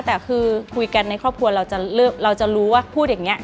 แต่คือคุยกันในครอบครัวเราจะรู้ว่าพูดอย่างนี้